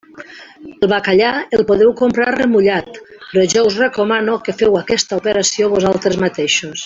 El bacallà el podeu comprar remullat, però jo us recomano que feu aquesta operació vosaltres mateixos.